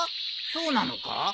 そうなのか？